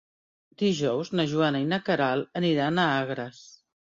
Dijous na Joana i na Queralt aniran a Agres.